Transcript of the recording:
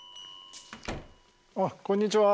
ああこんにちは。